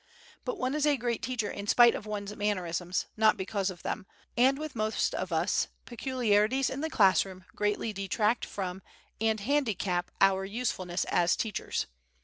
But one is a great teacher in spite of one's mannerisms, not because of them, and with most of us peculiarities in the class room greatly detract from and handicap our usefulness as teachers.